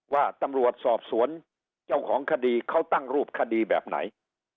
ว่าตำรวจสอบสวนเจ้าของคดีเขาตั้งรูปคดีแบบไหน